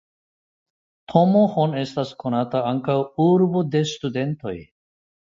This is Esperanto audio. Tomohon estas konata ankaŭ "urbo de studentoj".